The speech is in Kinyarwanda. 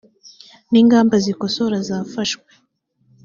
n ingamba zikosora zafashwe